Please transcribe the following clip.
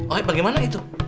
oh bagaimana itu